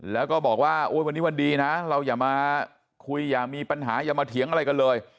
แล้วก็บอกว่าวันนี้วันดีนะเราอย่ามาคุยอย่ามีปัญหาอย่ามาเถียงอะไรกันเลย